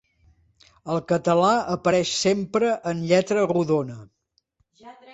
El català apareix sempre en lletra rodona.